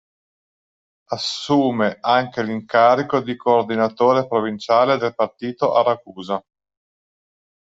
Assume anche l'incarico di coordinatore provinciale del partito a Ragusa.